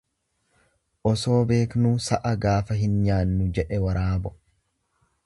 Osoo beeknuu sa'a gaafa hin nyaannu jedhe waraabo.